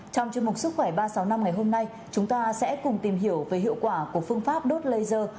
trong chương mục sức khỏe ba trăm sáu mươi năm ngày hôm nay chúng ta sẽ cùng tìm hiểu về hiệu quả của phương pháp đốt laser